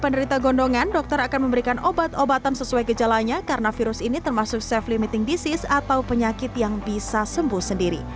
penderita gondongan dokter akan memberikan obat obatan sesuai gejalanya karena virus ini termasuk self limiting disease atau penyakit yang bisa sembuh sendiri